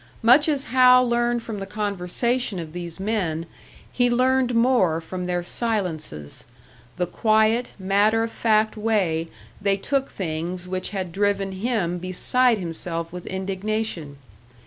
Much as Hal learned from the conversation of these men, he learned more from their silences the quiet, matter of fact way they took things which had driven him beside himself with indignation.